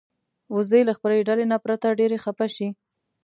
وزې له خپلې ډلې نه پرته ډېرې خپه شي